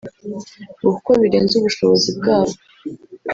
ngo kuko birenze ubushobozi bwabo